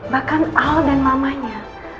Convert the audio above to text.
bahkan al dan mamanya